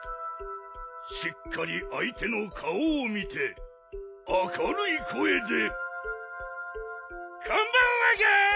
しっかりあい手のかおを見てあかるいこえでこんばんはガン！